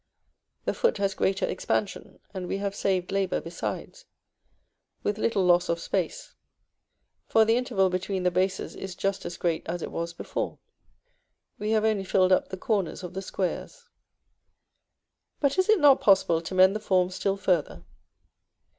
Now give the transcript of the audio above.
The foot has greater expansion, and we have saved labor besides, with little loss of space, for the interval between the bases is just as great as it was before, we have only filled up the corners of the squares. But is it not possible to mend the form still further?